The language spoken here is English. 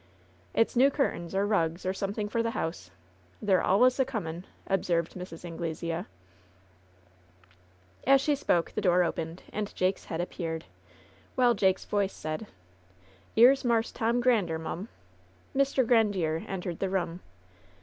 "It's new curtains, or rugs, or something for the house. They're alluss a coming," observed Mrs. Anglesea. LOVE'S BITTEREST CUP 61 As she spoke the door opened, and Jake's head ap peared, while Jake's voice said :'' 'Ere's Marse Tom Grander, mtun." Mr. Grandiere entered the room.